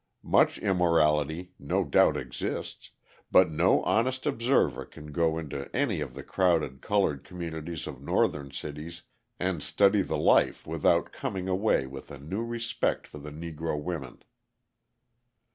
Much immorality no doubt exists, but no honest observer can go into any of the crowded coloured communities of Northern cities and study the life without coming away with a new respect for the Negro women.